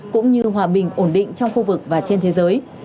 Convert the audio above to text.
cũng như hòa bình ổn định trong khu vực và trên thế giới